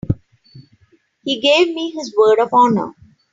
He gave me his word of honor.